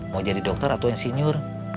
mau jadi dokter atau insinyur